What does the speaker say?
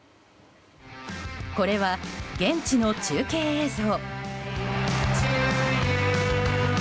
これは現地の中継映像。